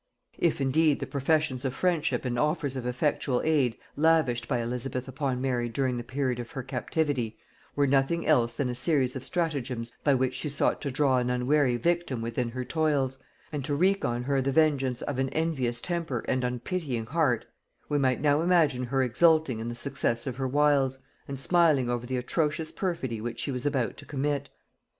If indeed the professions of friendship and offers of effectual aid lavished by Elizabeth upon Mary during the period of her captivity, were nothing else than a series of stratagems by which she sought to draw an unwary victim within her toils, and to wreak on her the vengeance of an envious temper and unpitying heart, we might now imagine her exulting in the success of her wiles, and smiling over the atrocious perfidy which she was about to commit.